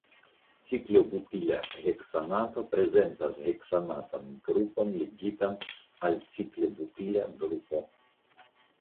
Ciklobutila heksanato prezentas heksanatan grupon ligitan al ciklobutila grupo.